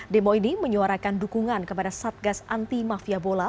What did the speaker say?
demo ini menyuarakan dukungan kepada satgas anti mafia bola